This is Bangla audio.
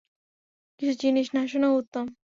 কিছু জিনিস না শোনাও উওম।